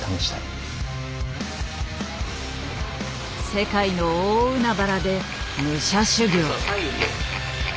世界の大海原で武者修行。